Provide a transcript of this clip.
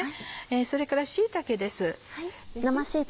それから椎茸です。